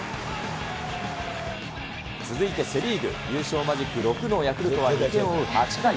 続いてセ・リーグ、優勝マジック６のヤクルトは２点を追う８回。